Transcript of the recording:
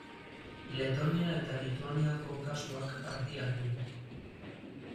Letonia eta Lituaniako kasuak argiak dira.